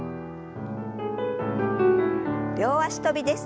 両脚跳びです。